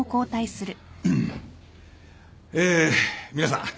え皆さん。